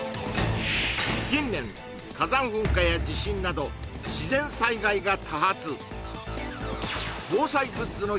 近年火山噴火や地震などが多発！